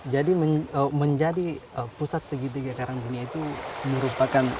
menjadi pusat segitiga karang dunia itu merupakan